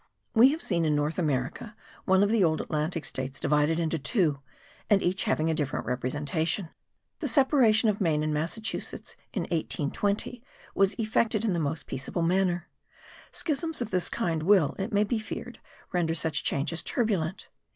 We have seen in North America, one of the old Atlantic states divided into two, and each having a different representation. The separation of Maine and Massachusetts in 1820 was effected in the most peaceable manner. Schisms of this kind will, it may be feared, render such changes turbulent.